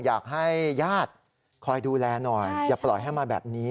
อยากให้ญาติคอยดูแลหน่อยอย่าปล่อยให้มาแบบนี้